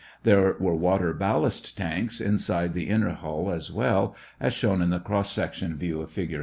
There were water ballast tanks inside the inner hull as well, as shown in the cross sectional view, Fig.